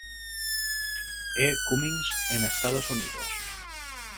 E. Cummings en Estados Unidos.